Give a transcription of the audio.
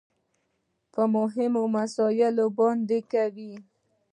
په مهمو مسايلو باندې کوي .